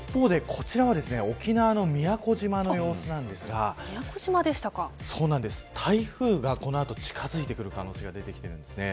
一方で、こちらは沖縄の宮古島の様子なんですが台風がこの後、近づいてくる可能性が出てきているんですね。